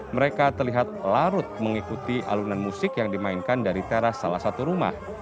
mereka terlihat larut mengikuti alunan musik yang dimainkan dari teras salah satu rumah